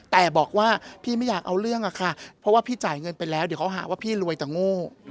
แต่บอกว่าพี่ไม่อยากเอาเรื่องอะค่ะเพราะว่าพี่จ่ายเงินไปแล้วเดี๋ยวเขาหาว่าพี่รวยแต่โง่